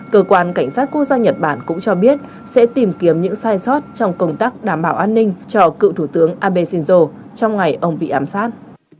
cơ quan cảnh sát quốc gia nhật bản cũng cho biết sẽ tìm kiếm những sai sót trong công tác đảm bảo an ninh cho cựu thủ tướng abe shinzo trong ngày ông bị ám sát